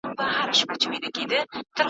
چي هر نوی کفن کښ وي موږ لاس پورته په ښرا یو ,